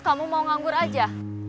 kamu mau nganggur aja